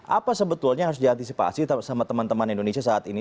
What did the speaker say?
apa sebetulnya yang harus diantisipasi sama teman teman indonesia saat ini